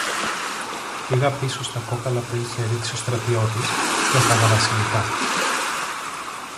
Πήγα πίσω στα κόκαλα που είχε ρίξει ο στρατιώτης, κι έφαγα βασιλικά.